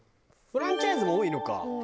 フランチャイズが多いのか。